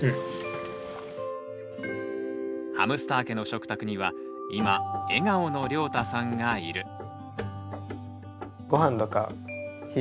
ハムスター家の食卓には今笑顔のりょうたさんがいる。